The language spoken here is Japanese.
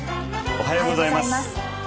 おはようございます。